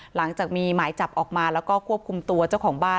หลังจากมีหมายจับออกมาแล้วก็ควบคุมตัวเจ้าของบ้าน